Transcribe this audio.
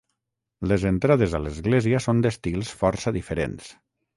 Les entrades a l'església són d'estils força diferents.